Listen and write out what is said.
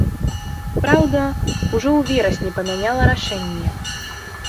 Праўда, ужо ў верасні памяняла рашэнне.